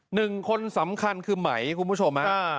หนึ่งคนสำคัญคือไหมคุณผู้ชมฮะ